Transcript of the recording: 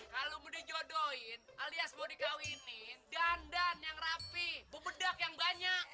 kalau mau dijodohin alias mau dikawinin dandan yang rapi bupedak yang banyak